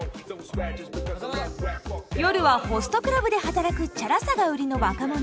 夜はホストクラブで働くチャラさが売りの若者。